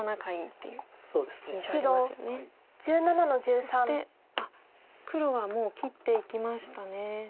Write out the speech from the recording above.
そして黒はもう切っていきましたね。